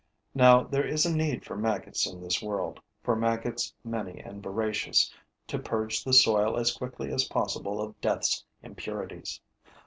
Now there is a need for maggots in this world, for maggots many and voracious, to purge the soil as quickly as possible of death's impurities.